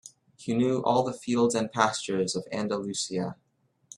He knew all the fields and pastures of Andalusia.